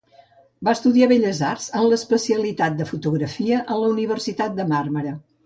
Va estudiar Belles Arts en l'especialitat de fotografia en la Universitat de Màrmara.